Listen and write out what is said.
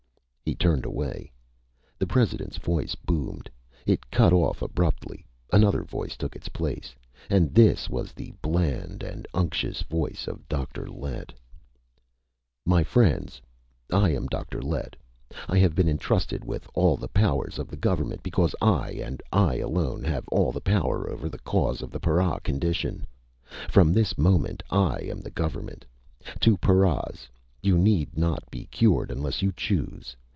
He turned away. The President's voice boomed. It cut off abruptly. Another voice took its place. And this was the bland and unctuous voice of Dr. Lett. "_My friends! I am Dr. Lett! I have been entrusted with all the powers of the government because I, and I alone, have all the power over the cause of the para condition. From this moment I am the government! To paras you need not be cured unless you choose.